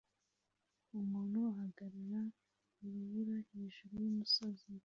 Umuntu ahagarara mu rubura hejuru yumusozi